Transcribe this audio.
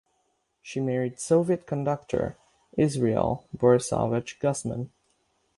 She married Soviet conductor Israel Borisovich Gusman.